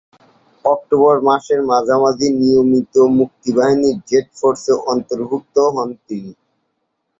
October মাসের মাঝামাঝি নিয়মিত মুক্তিবাহিনীর জেড ফোর্সে অন্তর্ভুক্ত হন তিনি।